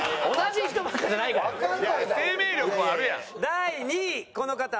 第２位この方。